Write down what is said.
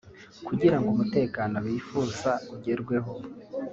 Kugira ngo umutekano bifuza ugerweho